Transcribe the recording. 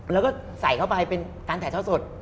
แล้วก็ใส่เข้าไปเป็นการถ่ายทอดสด